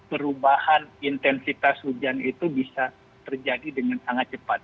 perubahan intensitas hujan itu bisa terjadi dengan sangat cepat